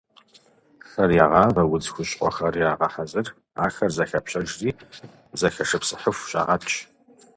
Шэр ягъавэ, удз хущхъуэхэр ягъэхьэзыр, ахэр зэхапщэжри зэхэшыпсыхьыху щагъэтщ.